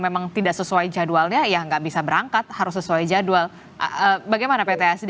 memang tidak sesuai jadwalnya ya nggak bisa berangkat harus sesuai jadwal bagaimana pt asd